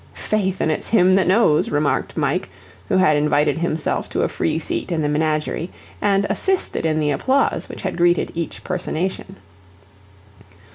"Faith, an' it's him that knows," remarked Mike, who had invited himself to a free seat in the menagerie, and assisted in the applause which had greeted each personation.